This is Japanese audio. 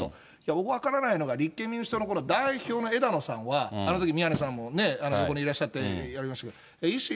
僕、分からないのが、立憲民主党の代表の枝野さんは、あのとき宮根さんも横にいらっしゃってやりましたけど、維新？